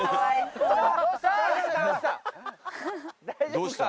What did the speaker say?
大丈夫か？